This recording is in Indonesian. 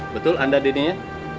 betul anda dininya